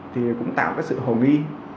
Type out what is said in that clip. thì cũng tạo ra sự hồ nghi